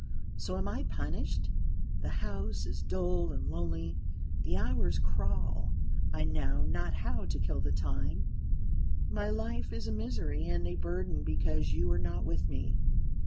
So am I punished. The house is dull and lonely; the hours crawl, I know not how to kill the time; my life is a misery and a burden because you are not with me.